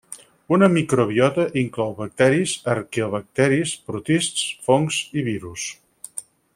Una microbiota inclou bacteris, arqueobacteris, protists, fongs i virus.